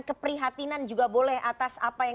keprihatinan juga boleh atas apa yang